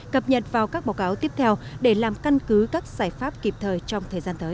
cập nhật vào các báo cáo tiếp theo để làm căn cứ các giải pháp kịp thời trong thời gian tới